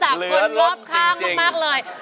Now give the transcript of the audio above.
คนรอบข้างมากเลย